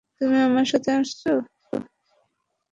তুমি আমার সাথে আসছ।